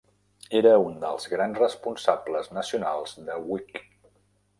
Era un dels grans responsables nacionals de Whig.